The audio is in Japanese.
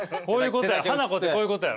ハナコってこういうことやろ？